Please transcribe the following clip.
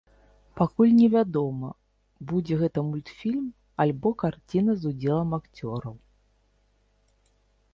Пакуль невядома, будзе гэта мультфільм альбо карціна з удзелам акцёраў.